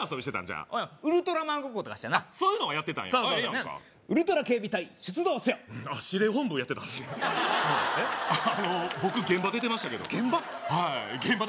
じゃあウルトラマンごっことかしたなそういうのはやってたんやウルトラ警備隊出動せよ司令本部やってたあの僕現場出てましたけど現場？